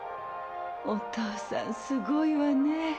お父さんすごいわねぇ。